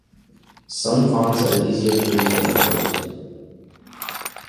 Some fonts are easier to read than others.